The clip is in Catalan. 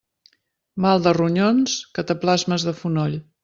Mal de ronyons, cataplasmes de fonoll.